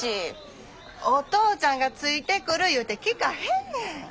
お父ちゃんがついてくる言うて聞かへんねん。